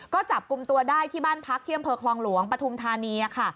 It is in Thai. ก็จับกลุ่มตัวได้ที่บ้านพักที่อำเภอคลองหลวงปฐุมธานีค่ะ